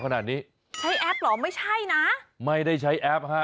นี่